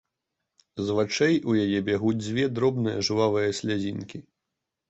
З вачэй у яе бягуць дзве дробныя жвавыя слязінкі.